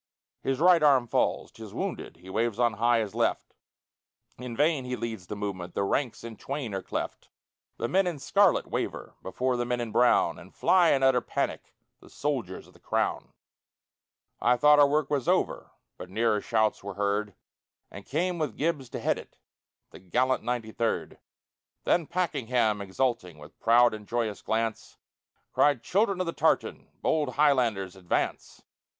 His right arm falls 'tis wounded; He waves on high his left; In vain he leads the movement, The ranks in twain are cleft. The men in scarlet waver Before the men in brown, And fly in utter panic The soldiers of the Crown! I thought the work was over, But nearer shouts were heard, And came, with Gibbs to head it, The gallant Ninety third. Then Pakenham, exulting, With proud and joyous glance, Cried, "Children of the tartan Bold Highlanders advance!